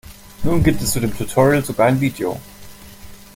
Nun gibt es zu dem Tutorial sogar ein Video.